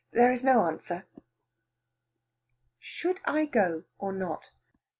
There is no answer." Should I go or not?